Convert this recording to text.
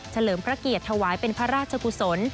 เลิมพระเกียรติถวายเป็นพระราชกุศล